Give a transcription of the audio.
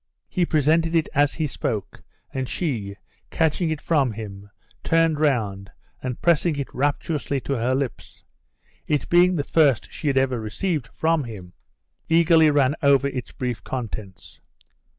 He presented it as he spoke, and she, catching it from him, turned round, and pressing it rapturously to her lips (it being the first she had ever received from him), eagerly ran over its brief contents.